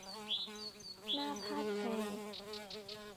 หน้าพาทย์แผลง